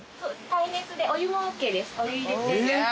耐熱でお湯もＯＫです。